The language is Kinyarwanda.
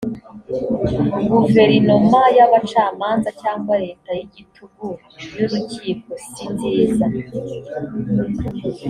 guverinoma y abacamanza cyangwa leta y igitugu y urukiko sinziza